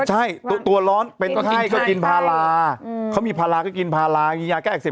ใช่ตัวร้อนเป็นไข้ก็กินพาราเขามีพาราก็กินพารามียาแก้อักเสบ